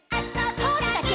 「ポーズだけ！」